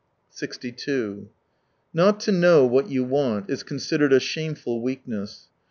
62 Not to know what you want is considered a shameful weakness.